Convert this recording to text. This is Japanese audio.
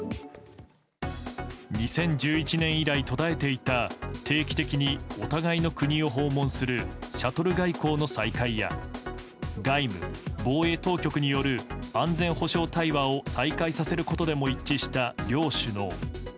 ２０１１年以来、途絶えていた定期的にお互いの国を訪問するシャトル外交の再開や外務・防衛当局による安全保障対話を再開させることでも一致した両首脳。